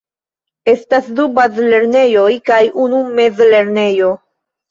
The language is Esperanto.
Estas du bazlernejoj kaj unu mezlernejo.